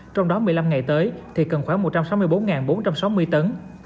trong đó một mươi năm ngày tới thì cần khoảng một trăm sáu mươi bốn bốn trăm sáu mươi tấn